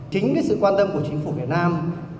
chính sự quan tâm của chính phủ việt nam